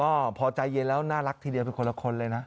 ก็พอใจเย็นแล้วน่ารักทีเดียวเป็นคนละคนเลยนะ